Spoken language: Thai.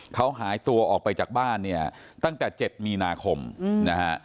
เขาหายตัวออกไปจากบ้านเนี่ยตั้งแต่๗มีนาคมนะฮะ